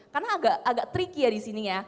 karena agak tricky ya disini ya